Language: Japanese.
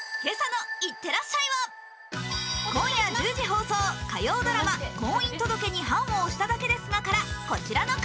今夜１０時放送、火曜ドラマ「婚姻届に判を捺しただけですが」からこちらの方。